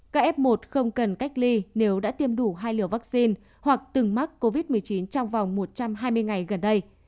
ca f một không cần cách ly nếu đã tiêm đủ hai liều vaccine hoặc từng mắc covid một mươi chín trong vòng một trăm hai mươi ngày gần đây